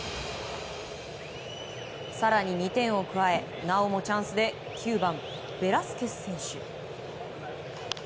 更に、２点を加えなおもチャンスで９番、ベラスケス選手。